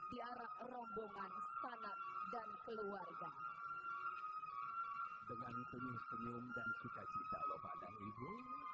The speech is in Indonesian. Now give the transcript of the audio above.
di arah rombongan sanak dan keluarga